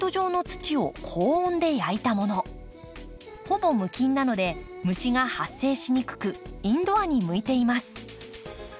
ほぼ無菌なので虫が発生しにくくインドアに向いています。